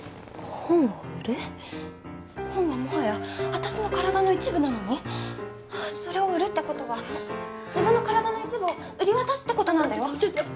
本はもはや私の体の一部なそれを売るってことは自分の体の一部を売り渡すってことなんだよ？